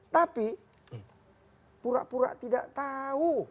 tapi pura pura tidak tahu